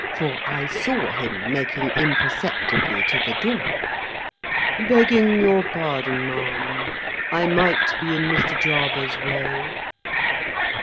For, I saw him making imperceptibly to the door. "Begging your pardon, ma'am, I might be in Mr. Jarber's way?"